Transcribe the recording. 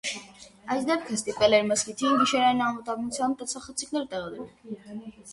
Այս դեպքը ստիպել էր մզկիթին գիշերային անվտանգության տեսախցիկներ տեղադրել։